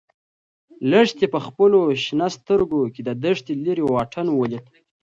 لښتې په خپلو شنه سترګو کې د دښتې لیرې واټن ولید.